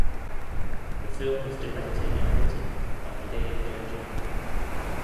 The film was directed and written by Hideo Jojo.